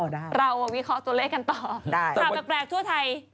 อ่อได้นะครับได้เปรกทั่วไทย